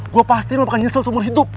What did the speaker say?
gue pastiin lo bakal nyesel seumur hidup